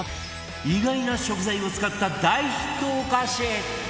意外な食材を使った大ヒットお菓子！